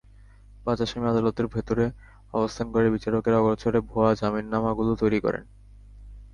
পাঁচ আসামি আদালতের ভেতরে অবস্থান করে বিচারকের অগোচরে ভুয়া জামিননামাগুলো তৈরি করেন।